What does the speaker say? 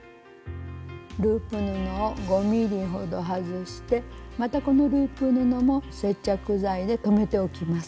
ループ布を５ｍｍほど外してまたこのループ布も接着剤で留めておきます。